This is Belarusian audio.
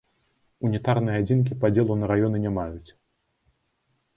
Унітарныя адзінкі падзелу на раёны не маюць.